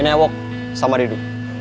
ini ewo sama didu